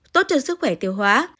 tốt cho sức khỏe tiêu hóa